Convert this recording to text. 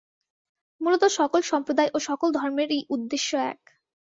মূলত সকল সম্প্রদায় ও সকল ধর্মেরই উদ্দেশ্য এক।